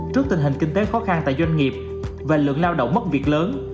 trước tình hình kinh tế khó khăn tại doanh nghiệp về lượng lao động mất việc lớn